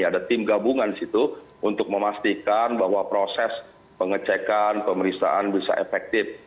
ada tim gabungan di situ untuk memastikan bahwa proses pengecekan pemeriksaan bisa efektif